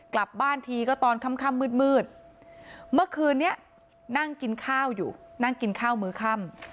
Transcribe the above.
กลับบ้านทีก็ตอนค่ำมืดเมื่อคืนนี้นั่งกินข้าวอยู่นั่งกินข้าวมื้อค่ำ